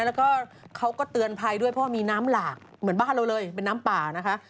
แล้วก็เขาก็เตือนภัยด้วยเพราะว่ามีน้ำหลากเหมือนบ้านเราเลยเป็นน้ำป่านะคะ